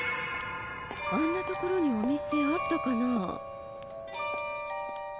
あんな所にお店あったかな？